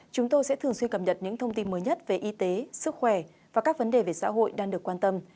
chúng tôi sẽ thường xuyên cập nhật những thông tin mới nhất về y tế sức khỏe và các vấn đề về xã hội đang được quan tâm